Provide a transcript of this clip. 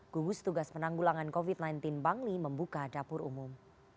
gugus tugas penanggulangan covid sembilan belas bangli membuka dapur umum